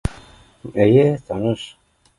Эйе таныш